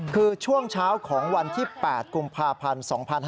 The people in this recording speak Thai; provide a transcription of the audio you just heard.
คือช่วงเช้าของวันที่๘กุมภาพันธ์๒๕๕๙